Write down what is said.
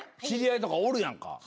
知り合いとかおるやんか。